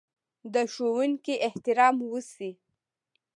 د ښوونکي احترام وشي.